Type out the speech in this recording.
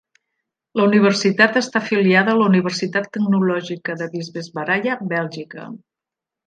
La universitat està afiliada a la Universitat Tecnològica de Visvesvaraya, Bèlgica.